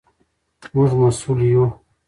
موږ مسوول یو.